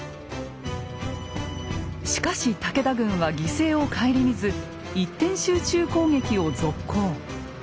しかし武田軍は犠牲を顧みず一点集中攻撃を続行。